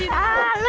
ini ada apaan sih